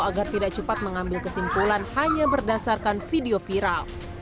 agar tidak cepat mengambil kesimpulan hanya berdasarkan video viral